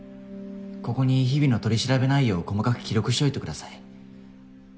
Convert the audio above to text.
ここに日々の取調べ内容を細かく記録しておいてください。